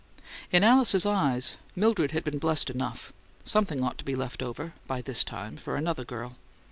In Alice's eyes, Mildred had been blessed enough; something ought to be left over, by this time, for another girl.